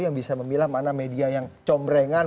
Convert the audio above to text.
yang bisa memilah mana media yang combrengan